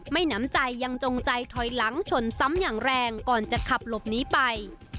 น้ำใจยังจงใจถอยหลังชนซ้ำอย่างแรงก่อนจะขับหลบหนีไป